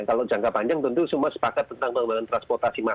kalau jangka panjang tentu semua sepakat tentang pengembangan transportasi masyarakat